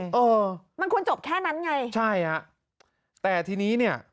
เออมันควรจบแค่นั้นไงใช่ฮะแต่ทีนี้เนี่ย